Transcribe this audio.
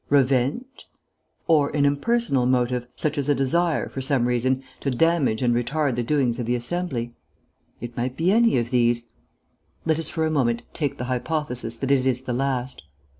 Revenge? Or an impersonal motive, such as a desire, for some reason, to damage and retard the doings of the Assembly? It might be any of these.... Let us for a moment take the hypothesis that it is the last.